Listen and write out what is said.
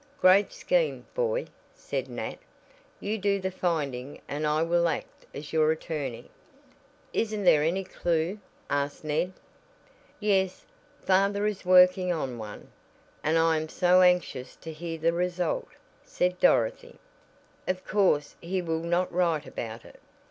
"Great scheme, boy," said Nat, "you do the finding and I will act as your attorney." "Isn't there any clue?" asked Ned. "Yes, father is working on one, and I am so anxious to hear the result," said Dorothy. "Of course he will not write about it.